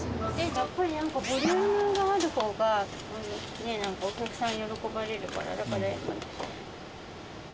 やっぱりなんか、ボリュームがあるほうが、なんかお客さん喜ばれるから、だからやっぱり。